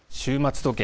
終末時計。